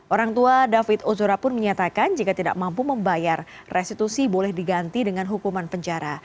orang tua david ozora pun menyatakan jika tidak mampu membayar restitusi boleh diganti dengan hukuman penjara